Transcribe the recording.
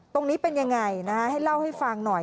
ตรงนี้เป็นอย่างไรให้เล่าให้ฟังหน่อย